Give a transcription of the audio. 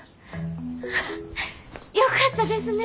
よかったですね！